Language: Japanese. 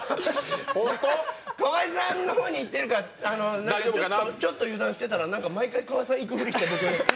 河井さんの方にいってるからちょっと油断してたら毎回、河井さんにいくふりして。